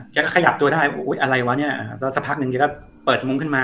แกก็ขยับตัวได้เว้ยอะไรวะเนี้ยสักพักนึงแกก็เปิดมุมขึ้นมา